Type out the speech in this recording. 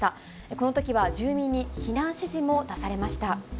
このときは住民に避難指示も出されました。